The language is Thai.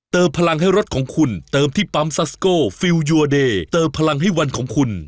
พลังให้รถของคุณเติมที่ปั๊มซัสโกฟิลยูอเดย์เติมพลังให้วันของคุณ